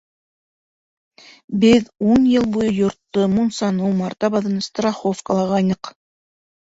Беҙ ун йыл буйы йортто, мунсаны, умарта баҙын страховкалағайныҡ.